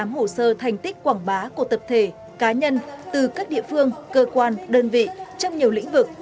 một mươi hồ sơ thành tích quảng bá của tập thể cá nhân từ các địa phương cơ quan đơn vị trong nhiều lĩnh vực